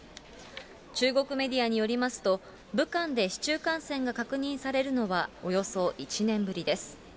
中国メディアによりますと、武漢で市中感染が確認されるのはおよそ１年ぶりです。